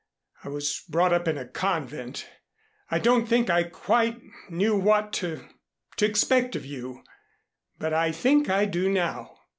I was brought up in a convent. I don't think I quite knew what to to expect of you. But I think I do now."